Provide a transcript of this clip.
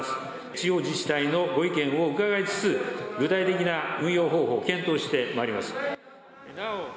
地方自治体のご意見を伺いつつ、具体的な運用方法を検討してまいります。